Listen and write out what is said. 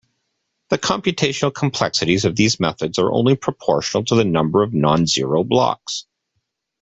The computational complexities of these methods are only proportional to the number of non-zero blocks.